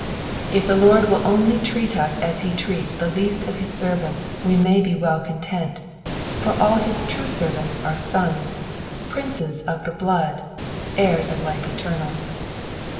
If the Lord will only treat us as ho treats the least of his servants we may be well content, for all his tiue servants are sons, princes of the blood, heirs of life eternal.